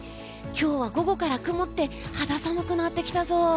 今日は午後から曇って肌寒くなってきたぞ。